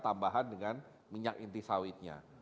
tambahan dengan minyak inti sawitnya